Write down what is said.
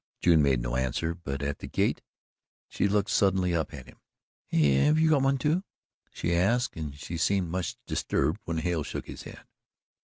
June made no answer, but at the gate she looked suddenly up at him. "Have you got one, too?" she asked, and she seemed much disturbed when Hale shook his head.